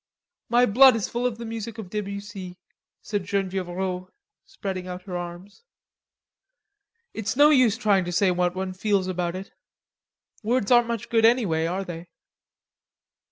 "My blood is full of the music of Debussy," said Genevieve Rod, spreading out her arms. "It's no use trying to say what one feels about it. Words aren't much good, anyway, are they?"